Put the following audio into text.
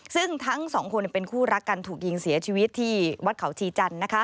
ซึ่งทั้งสองคนเป็นคู่รักกันถูกยิงเสียชีวิตที่วัดเขาชีจันทร์